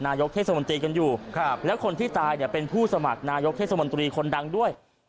นายกเทศมนตรีกันอยู่แล้วคนที่ตายเป็นผู้สมัครนายกเทศมนตรีคนดังด้วย